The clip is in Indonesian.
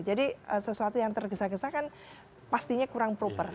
sesuatu yang tergesa gesa kan pastinya kurang proper